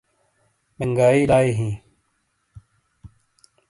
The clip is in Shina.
منگائ لائی ہی